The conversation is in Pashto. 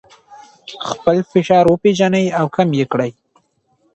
خپل فشار وپیژنئ او کم یې کړئ.